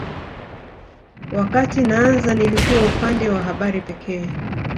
Wakati naanza nilikuwa upande wa habari pekee